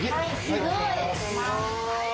すごい！